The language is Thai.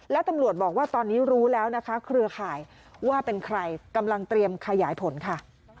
แล้วตำรวจบอกว่าตอนนี้รู้แล้วนะคะเครือข่ายว่าเป็นใครกำลังเตรียมขยายผลค่ะ